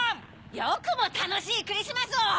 よくもたのしいクリスマスを！